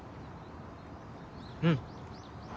うん。